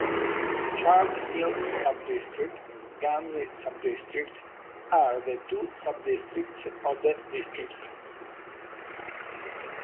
Charles Hill Sub-District, Ghanzi Sub-District are the two sub districts of the district.